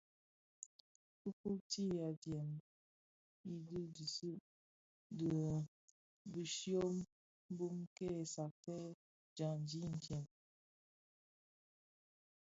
Kifuuti adyèm i dhidigsi di bishyom (dum) kè satèè djandi itsem.